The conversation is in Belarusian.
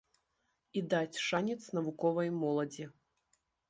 І даць шанец навуковай моладзі.